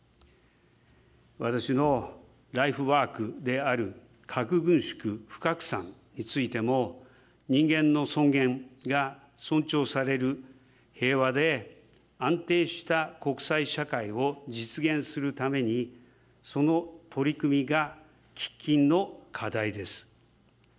私のライフワークである核軍縮・不拡散についても、人間の尊厳が尊重される、平和で安定した国際社会を実現するために、その取り組みが喫緊の課題です。